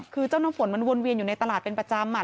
คือเจ้าน้ำฝนมันวนเวียนอยู่ในตลาดเป็นประจำ